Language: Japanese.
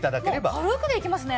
もう軽くでいけますね。